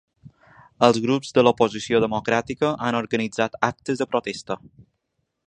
Els grups de l’oposició democràtica han organitzat actes de protesta.